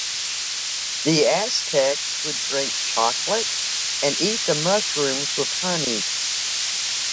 The Aztecs would drink chocolate and eat the mushrooms with honey.